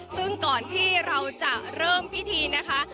ซึ่งก่อนที่เราจะเริ่มพิธีนะคะ